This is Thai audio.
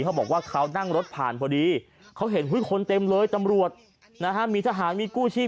เขาบอกว่าเขานั่งรถผ่านพอดีเขาเห็นคนเต็มเลยตำรวจนะฮะมีทหารมีกู้ชีพ